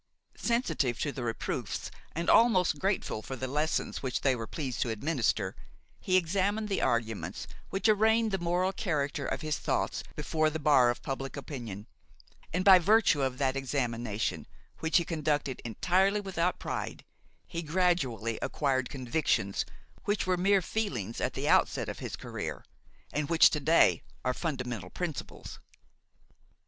Sensitive to the reproofs and almost grateful for the lessons which they were pleased to administer, he examined the arguments which arraigned the moral character of his thoughts before the bar of public opinion, and, by virtue of that examination, which he conducted entirely without pride, he gradually acquired convictions which were mere feelings at the outset of his career and which to day are fundamental principles.